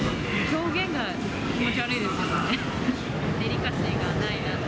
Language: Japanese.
表現が気持ち悪いですよね。